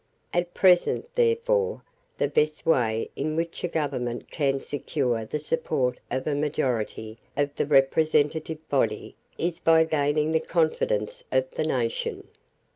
At present, therefore, the best way in which a government can secure the support of a majority of the representative body is by gaining the confidence of the nation.